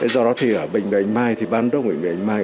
do đó thì ở bệnh viện bạch mai thì ban đông bệnh viện bạch mai